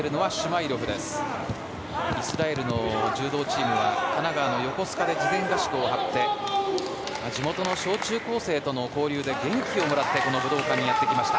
イスラエルの柔道チームは神奈川の横須賀で事前合宿を張って地元の小中高生との交流で元気をもらって武道館にやってきました。